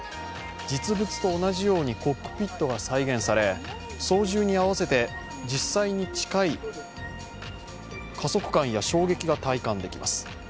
実物と同じようにコックピットが再現され操縦に合わせて実際に近い加速感や衝撃が体感できます。